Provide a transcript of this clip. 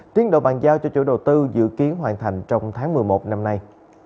tiến độ bàn giao cho chủ đầu tư dự kiến hoàn thành trong tháng một mươi một năm nay